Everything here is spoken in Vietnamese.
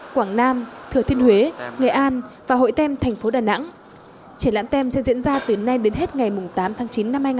quảng nam thừa thiên huế nghệ an và hội tem thành phố đà nẵng triển lãm tem sẽ diễn ra từ nay đến hết ngày tám tháng chín năm hai nghìn hai mươi